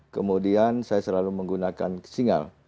kemudian saya selalu menggunakan singal